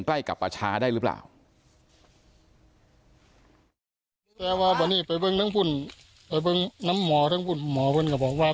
ใกล้กับประชาได้หรือเปล่า